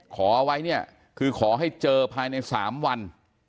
ขอไว้เนี่ยคือขอให้เจอภายใน๓วัน